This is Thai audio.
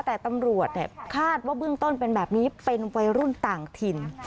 แต่ตำรวจคาดว่าเบื้องต้นเป็นแบบนี้เป็นวัยรุ่นต่างถิ่น